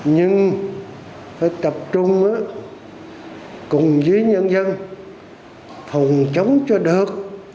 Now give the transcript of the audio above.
nhưng phải tập trung cùng với nhân dân phòng chống cho được